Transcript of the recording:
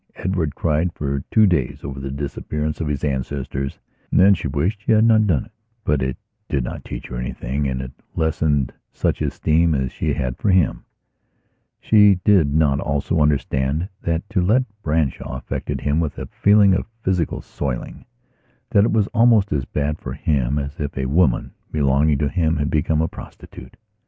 Edward cried for two days over the disappearance of his ancestors and then she wished she had not done it; but it did not teach her anything and it lessened such esteem as she had for him. She did not also understand that to let Branshaw affected him with a feeling of physical soilingthat it was almost as bad for him as if a woman belonging to him had become a prostitute.